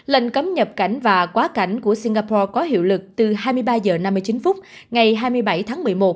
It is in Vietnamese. lệnh cấm nhập cảnh và quá cảnh của singapore có hiệu lực từ hai mươi ba h năm mươi chín phút ngày hai mươi bảy tháng một mươi một